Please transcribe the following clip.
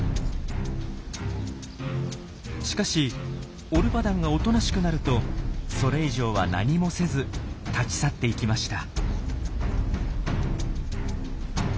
しかしオルパダンがおとなしくなるとそれ以上は何もせず立ち去っていきました。